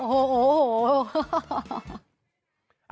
โอ้โหโอ้โห